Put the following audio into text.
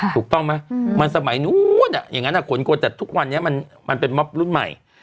ถูกต้องไหมมันสมัยนู้นอย่างนั้นขนโกแต่ทุกวันนี้มันเป็นม็อบรุ่นใหม่